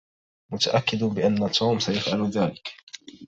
متأكد بأن توم سيفعل ذلك.